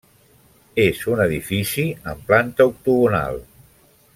És un edifici amb planta octogonal.